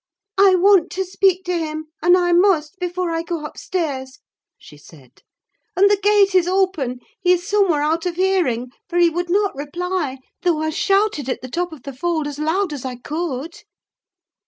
"I want to speak to him, and I must, before I go upstairs," she said. "And the gate is open: he is somewhere out of hearing; for he would not reply, though I shouted at the top of the fold as loud as I could."